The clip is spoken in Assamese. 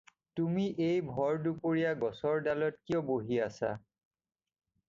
তুমি এই ভৰ-দুপৰীয়া গছৰ ডালত কিয় বহি আছা?